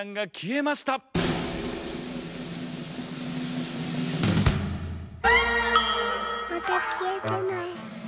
・またきえてない。